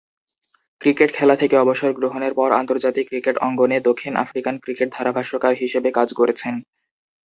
Cricket খেলা থেকে অবসর গ্রহণের পর আন্তর্জাতিক ক্রিকেট অঙ্গনে দক্ষিণ আফ্রিকান ক্রিকেট ধারাভাষ্যকার হিসেবে কাজ করছেন।